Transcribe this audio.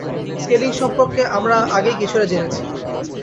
Scaling সম্পর্কে আমরা আগেই কিছুটা জেনেছি।